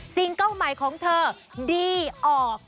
ซิงเก้าใหม่ของเธอดีออก